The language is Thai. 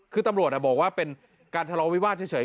คือตำรวจบอกว่าเป็นการทะเลาวิวาสเฉย